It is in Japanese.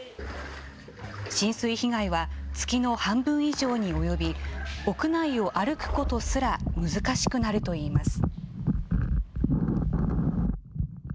浸水被害は月の半分以上に及び、屋内を歩くことすら難しくなるといいます。